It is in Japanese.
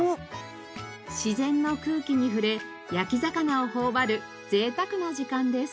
自然の空気に触れ焼き魚を頬張る贅沢な時間です。